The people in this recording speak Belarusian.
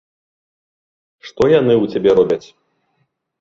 Што яны ў цябе робяць?!